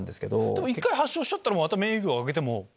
でも１回発症しちゃったらまた免疫力上げても。